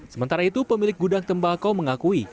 sementara itu pemilik gudang tembakau mengakui